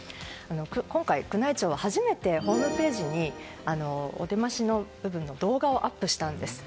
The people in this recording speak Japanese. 今回、宮内庁が初めてホームページにお出ましの部分の動画をアップしたんです。